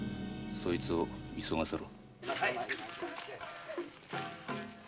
そいつを急がせろ。